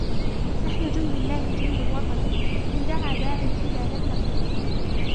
نحن جند الله جند الوطن إن دعا داعي الفداء لم نخن